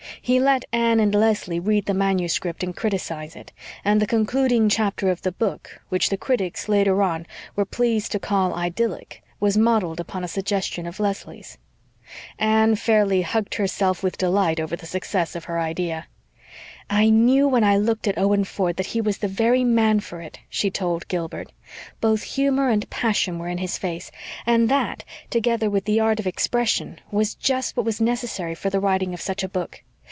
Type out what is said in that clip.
He let Anne and Leslie read the manuscript and criticise it; and the concluding chapter of the book, which the critics, later on, were pleased to call idyllic, was modelled upon a suggestion of Leslie's. Anne fairly hugged herself with delight over the success of her idea. "I knew when I looked at Owen Ford that he was the very man for it," she told Gilbert. "Both humor and passion were in his face, and that, together with the art of expression, was just what was necessary for the writing of such a book.